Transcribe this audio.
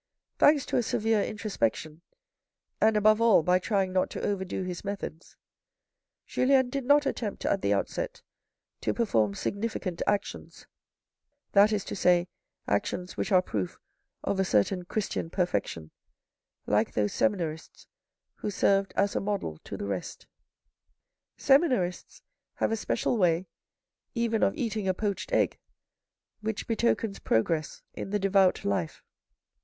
Thanks to a severe introspection, and above all, by trying not to overdo his methods, Julien did not attempt at the outset to perform significant actions (that is to say, actions which are proof of a certain Christian perfection) like those seminarists who served as a model to the rest. Seminarists have a special way, even of eating a poached egg, which betokens progress in the devout life.